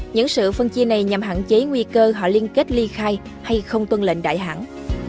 những sự phân chia này nhằm hạn chế nguy cơ họ liên kết ly khai hay không tuân lệnh đại hãng